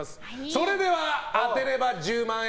それでは当てれば１０万円！